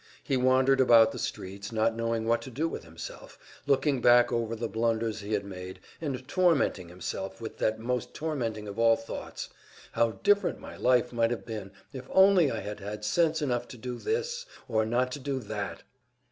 He wandered about the streets, not knowing what to do with himself, looking back over the blunders he had made and tormenting himself with that most tormenting of all thoughts: how different my life might have been, if only I had had sense enough to do this, or not to do that!